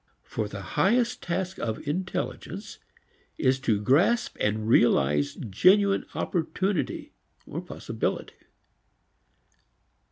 For the highest task of intelligence is to grasp and realize genuine opportunity, possibility.